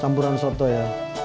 campuran soto ya